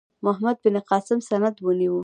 محمد بن قاسم سند ونیو.